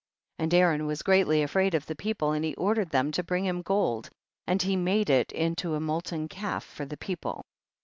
14. And Aaron was greatly afraid of the people, and he ordered them to bring him gold and he made it in to a molten calf for the people.